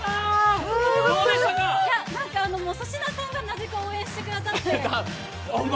粗品さんがなぜか応援してくださって。